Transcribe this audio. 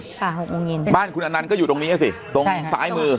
หกโมงเย็นบ้านคุณอนันต์ก็อยู่ตรงนี้อ่ะสิตรงซ้ายมือ